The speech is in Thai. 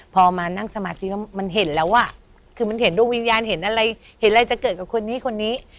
พอมานั่งสมาธิแล้วมันเห็นแล้วอ่ะคือมันเห็นดวงวิญญาณเห็นอะไรเห็นอะไรจะเกิดกับคนนี้คนนี้